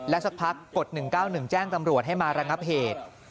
สักพักกด๑๙๑แจ้งตำรวจให้มาระงับเหตุ